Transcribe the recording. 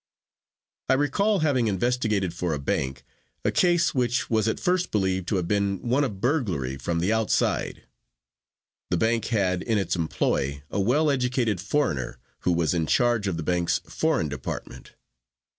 I recall having investigated for a bank a case which was at first believed to have been one of burglary from the outside. The bank had in its employ a well educated foreigner, who was in charge of the bank's foreign department.